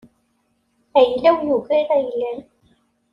Ayla-w yugar ayla-m.